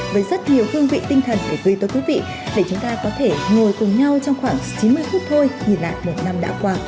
với rất nhiều hương vị tinh thần của tôi tới quý vị để chúng ta có thể ngồi cùng nhau trong khoảng chín mươi phút thôi nhìn lại một năm đã qua